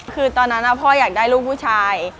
คือตอนนั้นพ่ออยากได้ลูกผู้ชาย